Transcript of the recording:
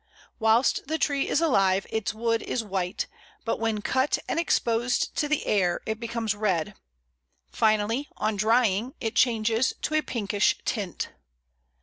Whilst the tree is alive its wood is white, but when cut and exposed to the air it becomes red; finally, on drying, it changes to a pinkish tint.